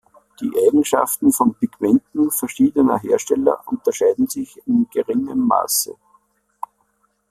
Die Eigenschaften von Pigmenten verschiedener Hersteller unterscheiden sich in geringem Maße.